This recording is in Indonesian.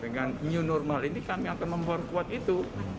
dengan new normal ini kami akan memperkuat itu